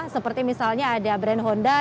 seperti misalnya ada brand honda